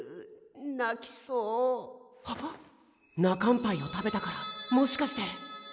泣かんパイを食べたからもしかして。